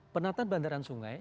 penataan bandaran sungai